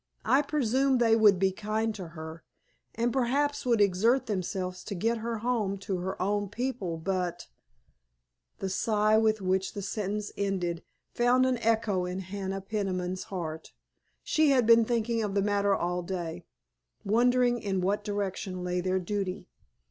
I presume they would be kind to her, and perhaps would exert themselves to get her home to her own people, but——" The sigh with which the sentence ended found an echo in Hannah Peniman's heart. She had been thinking of the matter all day, wondering in what direction lay their duty.